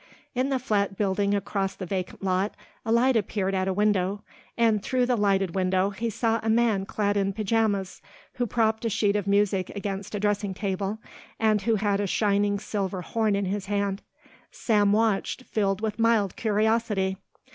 In the flat building across the vacant lot a light appeared at a window and through the lighted window he saw a man clad in pajamas who propped a sheet of music against a dressing table and who had a shining silver horn in his hand. Sam watched, filled with mild curiosity.